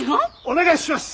お願いします！